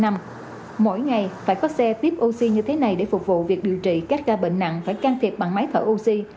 mỗi ngày phải có xe tiếp oxy như thế này để phục vụ việc điều trị các ca bệnh nặng phải can thiệp bằng máy thở oxy